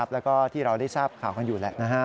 แล้วก็ที่เราได้ทราบข่าวข้างอยู่